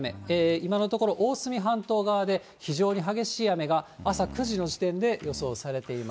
今のところ、大隅半島側で、非常に激しい雨が朝９時の時点で予想されています。